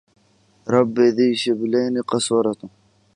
رب ذي شبلين قسورة